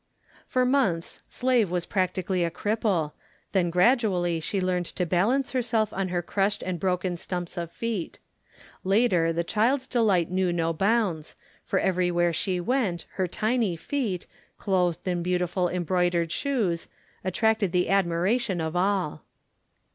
For months Slave was practically a cripple, then gradually she learned to balance herself on her crushed and broken stumps of feet. Later the child's delight knew no bounds, for everywhere she went her tiny feet, clothed in beautiful embroidered shoes, attracted the admiration of all.